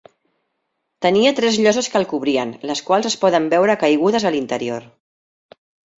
Tenia tres lloses que el cobrien, les quals es poden veure caigudes a l'interior.